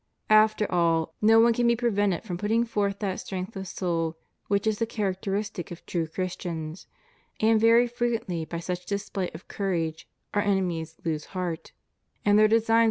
After all, no one can be prevented from putting forth that strength of soul which is the character istic of true Christians; and very frequently by such dis play of courage our enemies lose heart and their designs ' Luke xvii.